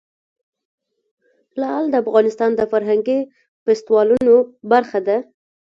لعل د افغانستان د فرهنګي فستیوالونو برخه ده.